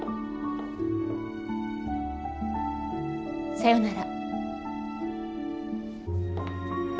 さようなら。